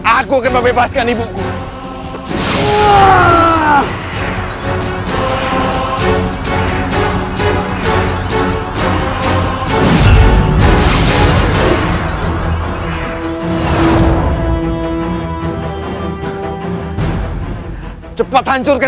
aku akan melepaskan ibuku